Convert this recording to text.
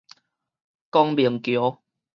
光明橋